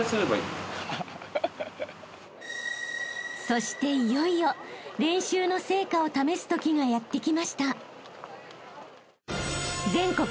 ［そしていよいよ練習の成果を試すときがやって来ました］